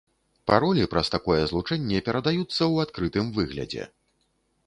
Паролі праз такое злучэнне перадаюцца ў адкрытым выглядзе.